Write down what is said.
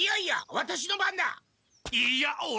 ワタシの番だ！